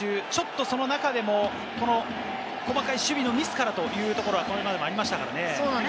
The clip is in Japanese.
ちょっとその中でも細かい守備のミスからというところは、これまでもありましたからね。